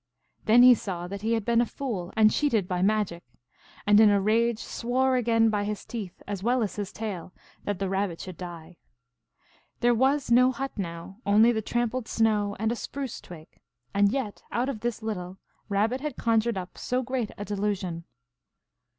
Then he saw that he had been a fool and cheated by magic, and in a rage swore again by his teeth, as well as his tail, that the Rabbit should die. There was no hut now, only the trampled snow and a spruce twig, and yet out of this little, Rabbit had conjured up so great a delusion.